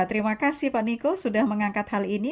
terima kasih pak niko sudah mengangkat hal ini